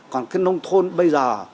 còn cái nông thôn bây giờ